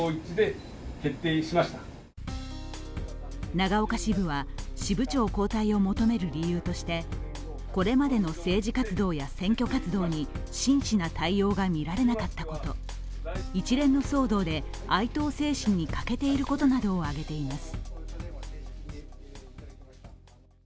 長岡支部は、支部長交代を求める理由としてこれまでの政治活動や選挙活動に真摯な対応が見られなかったこと、一連の騒動で愛党精神に欠けていることなどを挙げています。